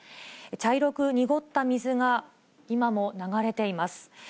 茶色く濁った水が、今も流れています。